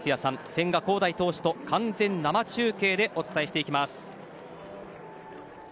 千賀滉大投手と完全生中継でお伝えしていきます。